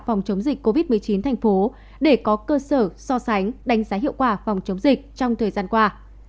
phòng chống dịch covid một mươi chín thành phố để có cơ sở so sánh đánh giá hiệu quả phòng chống dịch trong thời gian qua